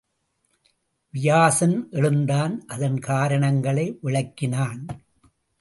வியாசன் எழுந்தான் அதன் காரணங்களை விளக்கினான்.